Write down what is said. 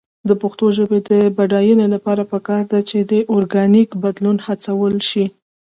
د پښتو ژبې د بډاینې لپاره پکار ده چې اورګانیک بدلون هڅول شي.